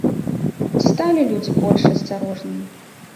Ці сталі людзі больш асцярожнымі?